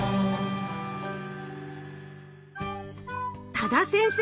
多田先生